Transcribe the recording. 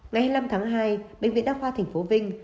ngày hai mươi năm tháng hai bệnh viện đắc khoa thành phố vinh